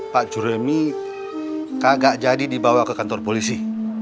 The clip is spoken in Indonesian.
pak curemi kagak jadi dibawa ke kantor polisi